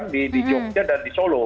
di jogja dan di solo